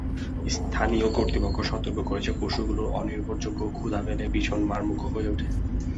স্থানীয় কর্তৃপক্ষ সতর্ক করেছে পশুগুলো অনির্ভরযোগ্য ও ক্ষুধা পেলে ভীষণ মারমুখো হয়ে ওঠে।